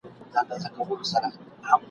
څو په نوم انسانيت وي !.